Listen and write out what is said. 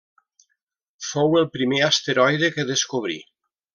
Fou el primer asteroide que descobrí.